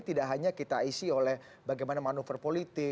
tidak hanya kita isi oleh bagaimana manuver politik